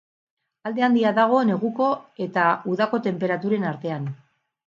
Alde handia dago neguko eta udako tenperaturen artean.